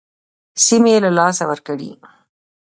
سیمې یې له لاسه ورکړې.